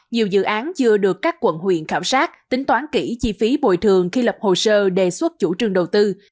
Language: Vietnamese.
nhiều dự án chưa được các quận huyện khảo sát tính toán kỹ chi phí bồi thường khi lập hồ sơ đề xuất chủ trương đầu tư